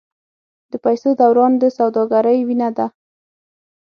د پیسو دوران د سوداګرۍ وینه ده.